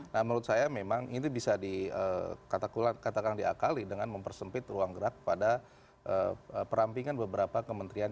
nah menurut saya memang ini bisa dikatakan diakali dengan mempersempit ruang gerak pada perampingan beberapa kementerian